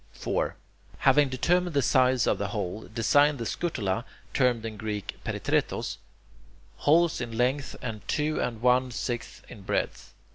4. Having determined the size of the hole, design the "scutula," termed in Greek [Greek: peritretos],... holes in length and two and one sixth in breadth.